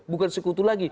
bukan sekutu lagi